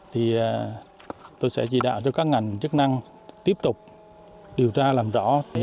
thì tôi sẽ chỉ đạo cho các ngành chức năng tiếp tục điều tra làm rõ